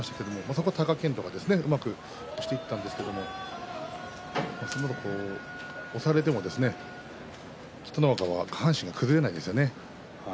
そこを貴健斗はうまく押していったんですけれど押されても北の若は下半身が崩れないですね。